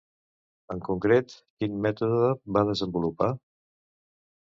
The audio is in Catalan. En concret, quin mètode va desenvolupar?